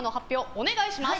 お願いします。